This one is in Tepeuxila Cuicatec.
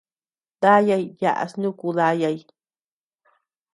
Daday yaás nuku dayay.